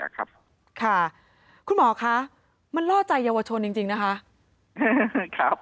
ค่ะคุณหมอมันรอดใจเยาวชนจริงนะคะ